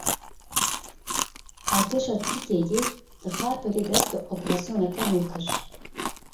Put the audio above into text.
Artêşa Tirkiyeyê li Xarpêtê dest bi operasyoneke nû kir.